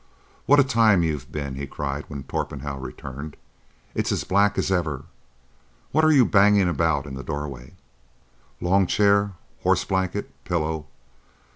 "What a time you've been!" he cried, when Torpenhow returned. "It's as black as ever. What are you banging about in the door way?" "Long chair,—horse blanket,—pillow.